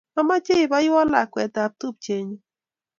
Amache ipaun lakwet ap tupchennyu